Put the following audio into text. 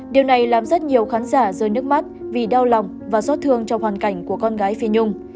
điều này làm rất nhiều khán giả rơi nước mắt vì đau lòng và xót thương trong hoàn cảnh của con gái phi nhung